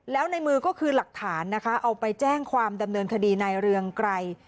แล้วในมือก็คือหลักฐานนะคะเอาไปแจ้งความดำเนินคดีในเรืองไกร